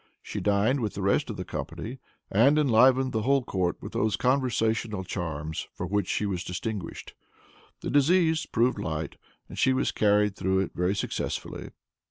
She dined with the rest of the company, and enlivened the whole court with those conversational charms for which she was distinguished. The disease proved light, and she was carried through it very successfully.